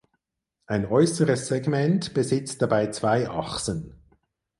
Ein äußeres Segment besitzt dabei zwei Achsen.